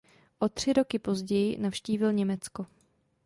O tři roky později navštívil Německo.